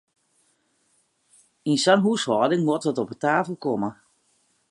Yn sa'n húshâlding moat wat op 'e tafel komme!